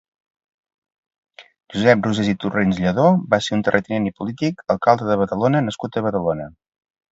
Josep Rosés i Torrents-Lladó va ser un terratinent i polític, alcalde de Badalona nascut a Badalona.